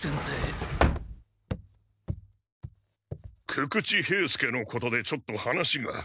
久々知兵助のことでちょっと話が。